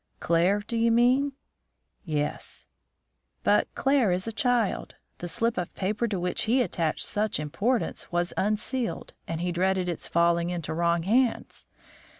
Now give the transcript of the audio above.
"Claire, do you mean?" "Yes." "But Claire is a child; the slip of paper to which he attached such importance was unsealed and he dreaded its falling into wrong hands.